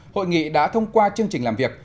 hội nghị đã thông qua chương trình làm việc